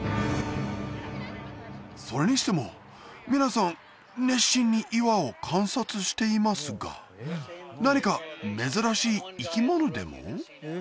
それにしても皆さん熱心に岩を観察していますが何か珍しい生き物でも？